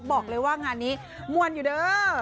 บอกเลยว่างานนี้มวลอยู่เด้อ